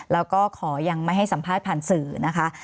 แล้วก็ขอยังไม่ให้สัมภาษณ์ผ่านสื่อนะคะ